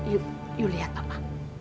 yuk yuk liat papa